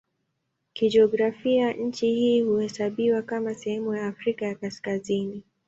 Kijiografia nchi hii huhesabiwa kama sehemu ya Afrika ya Kaskazini.